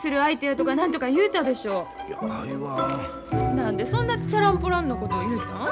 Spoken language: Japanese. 何でそんなチャランポランなこと言うたん？